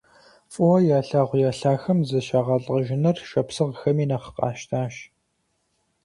ФӀыуэ ялъагъу я лъахэм зыщагъэлӀэжыныр шапсыгъхэми нэхъ къащтащ.